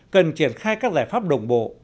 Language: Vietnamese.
cần triển khai các giải pháp đồng bộ